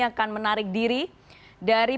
akan menarik diri dari